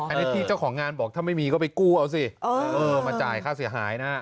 อันนี้ที่เจ้าของงานบอกถ้าไม่มีก็ไปกู้เอาสิมาจ่ายค่าเสียหายนะ